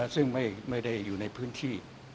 ซึ่งไม่ได้อยู่ในพื้นที่